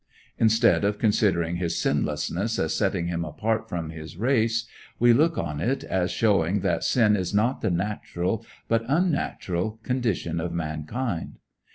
Instead of considering his sinlessness as setting him apart from his race, we look on it as showing that sin is not the natural, but unnatural, condition of mankind.